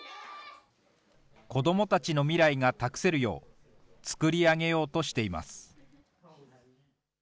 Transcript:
子どもたちの未来が託せるよう、作り上げようとしています。